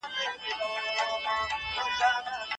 ولسمشره د خلکو د ژوند خوندي کول ستاسو مسولیت دی.